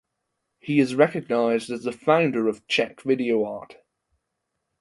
He is recognized as the founder of Czech video art.